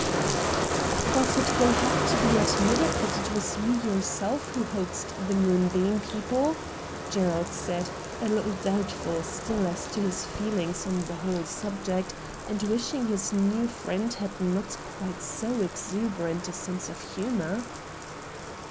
'But it will have to be admitted that it was you yourself who hoaxed the " Moonbeam " people,' Gerald said, a little doubtful still as to his feelings on the whole subject, and wishing his new friend had not quite so exuberant a sense of humour.